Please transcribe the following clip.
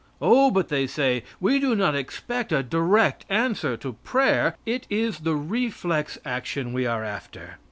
Oh, but they say, "We do not expect a direct answer to prayer; it is the reflex action we are after."